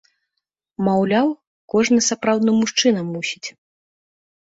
Маўляў, кожны сапраўдны мужчына мусіць.